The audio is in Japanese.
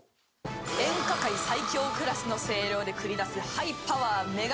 演歌界最強クラスの声量で繰り出すハイパワーメガ